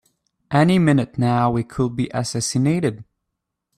Any minute now we could be assassinated!